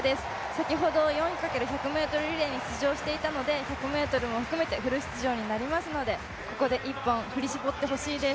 先ほど４×１００ｍリレーに出場していたので１００ｍ含めてフル出場になりますのでここで一本振り絞って欲しいです。